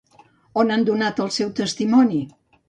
On han donat el seu testimoni?